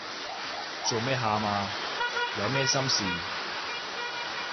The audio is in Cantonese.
做咩喊啊？有咩心事